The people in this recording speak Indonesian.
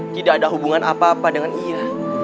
tidak ada hubungan apa apa dengan ia